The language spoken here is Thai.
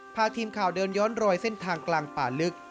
พาทีมข่าวเดินย้อนรอยเส้นทางกลางป่าลึก